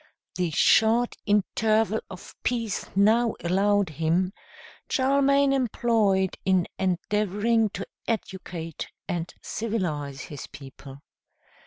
The short interval of peace now allowed him, Charlemagne employed in endeavoring to educate and civilize his people.